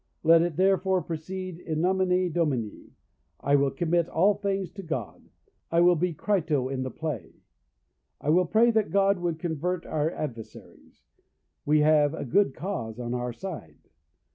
Let it therefore proceed in nomine Domini; I will commit all things to God, and will be Crito in the play. I will pray that God would convert our adversaries. We have a good cause on our side.